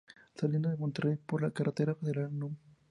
Saliendo de Monterrey por la carretera federal núm.